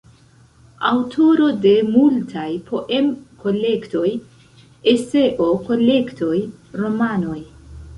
Aŭtoro de multaj poem-kolektoj, eseo-kolektoj, romanoj.